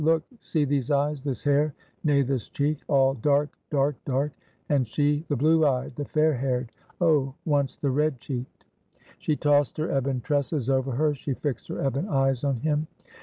Look: see these eyes, this hair nay, this cheek; all dark, dark, dark, and she the blue eyed the fair haired oh, once the red cheeked!" She tossed her ebon tresses over her; she fixed her ebon eyes on him.